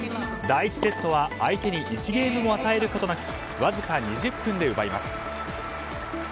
第１セットは相手に１ゲームも与えることなくわずか２０分で奪います。